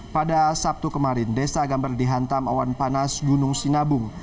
pada sabtu kemarin desa gambar dihantam awan panas gunung sinabung